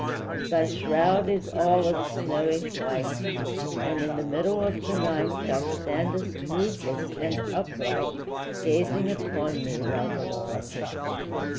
Thy shroud is all of snowy white, And, in the middle of the night, Thou standest moveless and upright, Gazing upon me, Rosaline!